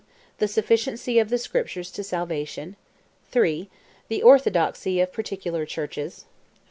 The Sufficiency of the Scriptures to Salvation; 3. The Orthodoxy of Particular Churches; 4.